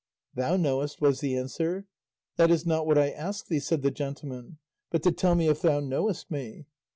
"Thou knowest," was the answer. "That is not what I ask thee," said the gentleman, "but to tell me if thou knowest me."